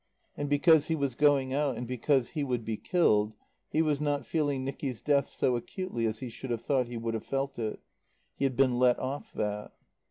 And because he was going out, and because he would be killed, he was not feeling Nicky's death so acutely as he should have thought he would have felt it. He had been let off that.